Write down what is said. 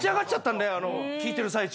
聴いてる最中に。